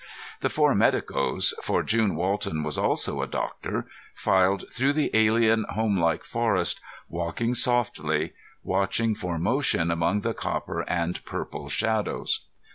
The four medicos, for June Walton was also a doctor, filed through the alien homelike forest, walking softly, watching for motion among the copper and purple shadows.